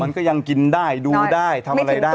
มันก็ยังกินได้ดูได้ทำอะไรได้